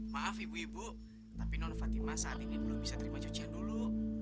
maaf ibu ibu tapi non fatima saat ini belum bisa terima cucian dulu